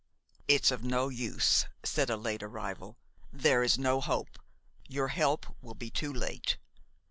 "It's of no use," said a late arrival. "There is no hope, your help will be too late."